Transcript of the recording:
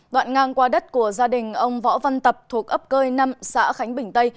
đoạn ngang qua đất của gia đình ông võ văn tập thuộc ấp cơi năm xã khánh bình tây